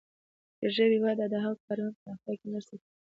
د ژبې وده د هغه کارونې پراختیا کې مرسته کوي.